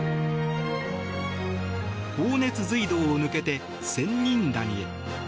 高熱隧道を抜けて仙人谷へ。